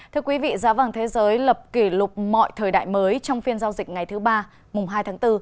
thưa quý vị giá vàng thế giới lập kỷ lục mọi thời đại mới trong phiên giao dịch ngày thứ ba mùng hai tháng bốn